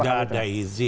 enggak ada izin